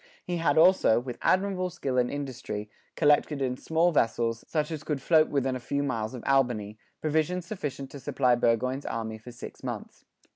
He had also, with admirable skill and industry, collected in small vessels, such as could float within a few miles of Albany, provisions sufficient to supply Burgoyne's Army for six months.